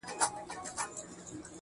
لوبي وې,